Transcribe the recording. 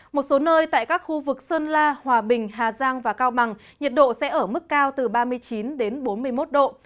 một số nơi tại các khu vực sơn la hòa bình hà giang và cao bằng nhiệt độ sẽ ở mức cao từ ba mươi chín đến bốn mươi một độ